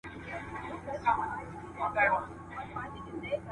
فساد کوونکي باید د قانون منګولو ته وسپارل سي.